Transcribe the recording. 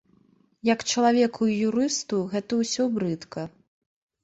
Як чалавеку і юрысту гэта ўсё брыдка.